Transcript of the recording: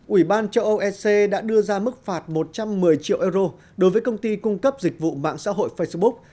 ủy ban châu âu ec đã đưa ra mức phạt một trăm một mươi triệu euro đối với công ty cung cấp dịch vụ mạng xã hội facebook